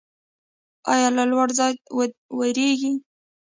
ایا له لوړ ځای ویریږئ؟